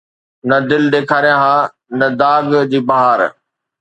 نه دل، ڏيکاريان ها نه ته داغ جي بهار